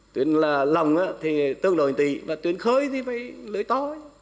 tuyến lòng thì tương đối tỷ tuyến khơi thì phải lưới to